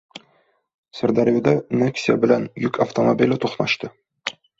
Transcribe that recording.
Sirdaryoda "Nexia" bilan yuk avtomobili to‘qnashdi